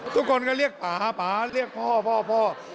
ทุกคนก็เรียกป๊าป๊าพ่อพ่อพ่อ